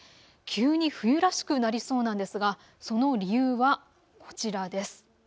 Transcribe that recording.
急に冬らしくなりそうなんですがその理由は、こちらです。